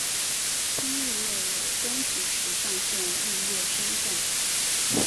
町域内有东急池上线御岳山站。